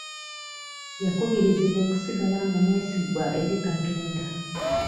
Yakubirizibwa okusigala nga mwesigwa eri Katonda.